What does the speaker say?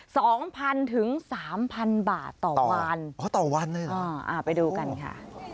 สองพันถึงสามพันบาทต่อวันอ๋อต่อวันเลยเหรออ่าอ่าไปดูกันค่ะ